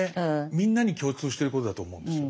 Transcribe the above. みんなに共通してることだと思うんですよ。